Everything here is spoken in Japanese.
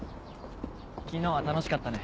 昨日は楽しかったね。